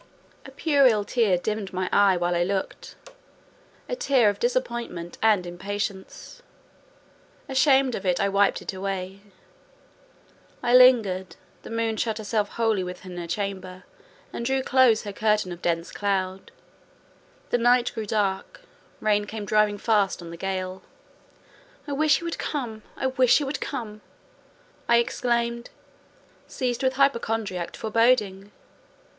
A puerile tear dimmed my eye while I looked—a tear of disappointment and impatience; ashamed of it, I wiped it away. I lingered; the moon shut herself wholly within her chamber, and drew close her curtain of dense cloud: the night grew dark; rain came driving fast on the gale. "I wish he would come! I wish he would come!" I exclaimed, seized with hypochondriac foreboding.